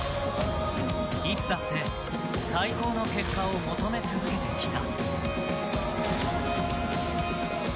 いつだって最高の結果を求め続けてきた。